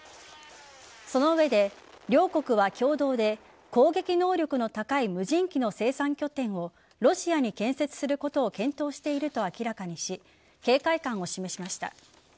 その上で、両国は共同で攻撃能力の高い無人機の生産拠点をロシアに建設することを検討していると明らかにし警戒感を示しました。